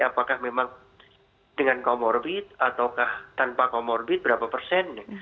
apakah memang dengan comorbid ataukah tanpa comorbid berapa persen